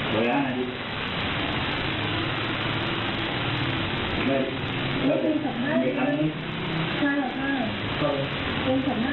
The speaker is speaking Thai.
ว่าคุณสาปม่านก็ถือ